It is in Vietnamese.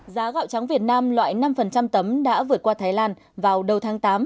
giá gạo trắng việt nam loại năm tấm đã vượt qua thái lan vào đầu tháng tám